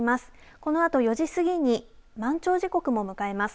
このあと４時過ぎに満潮時刻も迎えます。